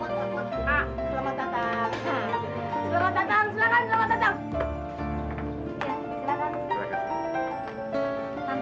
oke terima kasih terima kasih